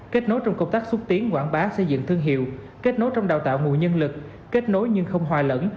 kết nối trong công tác xuất tiến quảng bá xây dựng thương hiệu kết nối trong đào tạo mùa nhân lực kết nối nhưng không hoài lẫn